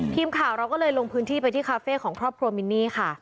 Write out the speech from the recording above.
ทีมข่าวเราก็เลยลงพื้นที่ไปที่คาเฟ่ของครอบครัวมินนี่ค่ะ